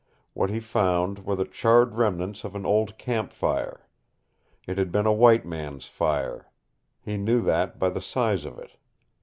What he found were the charred remnants of an old camp fire. It had been a white man's fire. He knew that by the size of it.